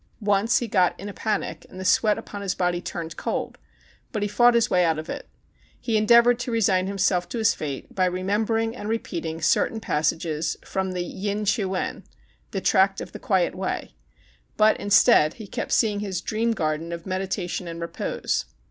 Once, he got in a panic, and the sweat upon his body turned cold; but he fought his way out of it. He endeavored to resign himself to his fate by remembering and repeating cer tain passages from the "Yin Chih Wen" ("The Tract of the Quiet Way"); but, instead, he kept seeing his dream garden of meditation and 178 THE CHINAGO repose.